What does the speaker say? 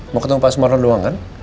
mau ketemu pak sumarno doang kan